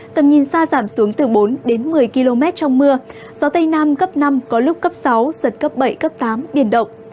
tầm nhìn xa giảm xuống từ bốn đến một mươi km trong mưa gió tây nam cấp năm có lúc cấp sáu giật cấp bảy cấp tám biển động